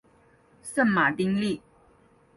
圣马丁利。